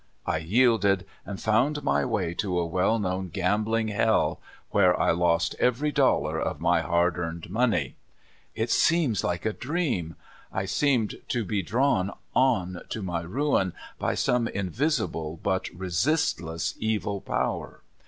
I yielded, and found my way to a well known gambling hell, where I lost every dollar of my 58 CALIFORNIA SKETCHES. hard earned money. It was like a dream — I seemed to be drawn on to my ruin by some invisi ble but resistless evil power.